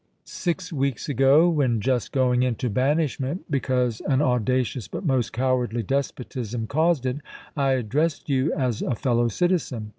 .. Six weeks ago, when just going into banishment because an audacious but most cowardly despotism caused it, I addressed you as a fellow citizen.